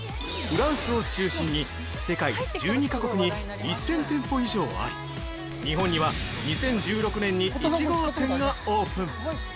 フランスを中心に世界１２か国に１０００店舗以上あり日本には、２０１６年に１号店がオープン。